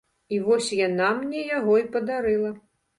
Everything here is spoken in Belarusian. І вось яна мне яго і падарыла.